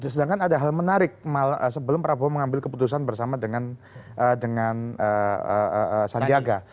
sedangkan ada hal menarik sebelum prabowo mengambil keputusan bersama dengan sandiaga